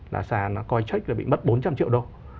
là sàn coincheck là bị mất bốn trăm linh triệu đô